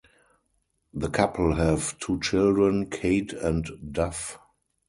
The couple have two children, Kate and Duff.